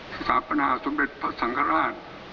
สามารถปัญหาสมเด็จพระสังขราช